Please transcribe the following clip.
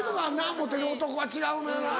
モテる男は違うのよな。